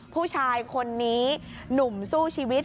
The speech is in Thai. ผู้ชายคนนี้หนุ่มสู้ชีวิต